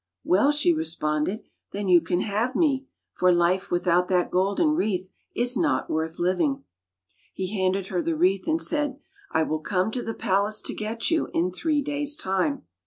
"Well," she responded, "then you can have me, for life without that golden wreath is not worth living." He handed her the wreath, and said, "I will come to the palace to get you in three days' time."